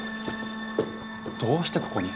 どうしてここに？